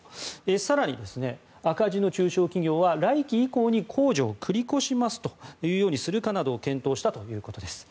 更に、赤字の中小企業は来期以降に控除を繰り越しますとするかなどを検討したということです。